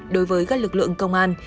đối với các lực lượng công an